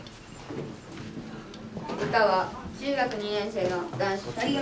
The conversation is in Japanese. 歌は中学２年生の男子２人組。